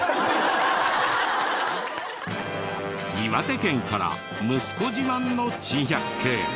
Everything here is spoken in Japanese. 岩手県から息子自慢の珍百景。